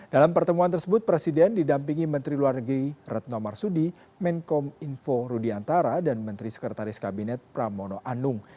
dalam pertemuan tersebut presiden didampingi menteri luar negeri retno marsudi menkom info rudiantara dan menteri sekretaris kabinet pramono anung